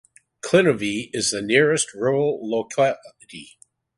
Klinovy is the nearest rural locality.